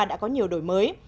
đã có nhiều đổi mới